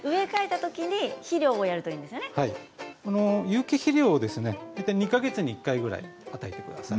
有機肥料を大体２か月に１回ぐらい入れてください。